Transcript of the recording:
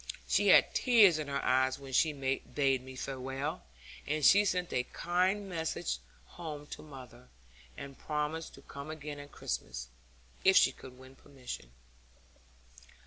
She had tears in her eyes when she bade me farewell, and she sent a kind message home to mother, and promised to come again at Christmas, if she could win permission.